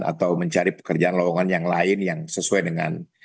atau mencari pekerjaan lowongan yang lain yang sesuai dengan